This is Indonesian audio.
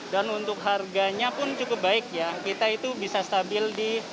dan untuk harganya pun cukup baik ya kita itu bisa stabil di